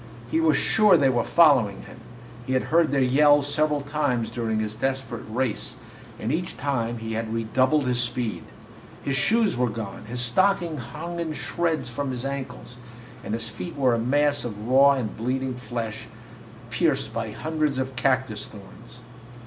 He was sure they were following him he had heard their yells several times during his desperate race, and each time he had redoubled his speed. His shoes were gone, his stockings hung in shreds from his ankles, and his feet were a mass of raw and bleeding flesh, pierced by hundreds of cactus thorns.